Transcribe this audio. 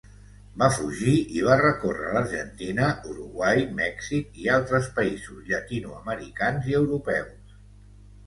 Va fugir i va recórrer l'Argentina, Uruguai, Mèxic i altres països llatinoamericans i europeus.